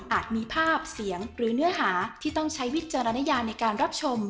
มีภาพเสียงหรือเนื้อหาที่ต้องใช้วิจารณญาในการรับชม